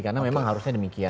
karena memang harusnya demikian